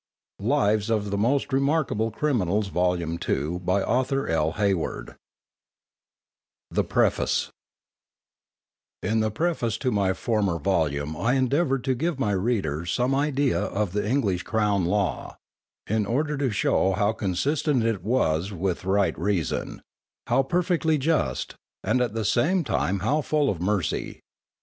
LIVES OF THE CRIMINALS VOLUME TWO THE PREFACE _In the Preface to my former volume I endeavoured to give my readers some idea of the English Crown Law, in order to shew how consistent it was with right reason, how perfectly just, and at the same time how full of mercy.